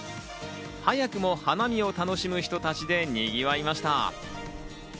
早くも花見を楽しむ人たちでにぎわいました。